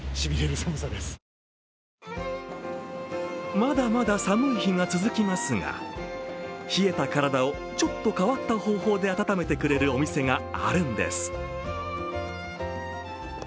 まだまだ寒い日が続きますが、冷えた体をちょっと変わった方法で温めてくれるお店があるんです。